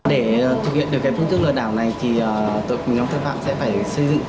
để thực hiện được cái phương thức lừa đảo này thì tội quỳnh đồng thực phạm sẽ phải xây dựng